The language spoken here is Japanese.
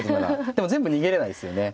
でも全部逃げれないですよね。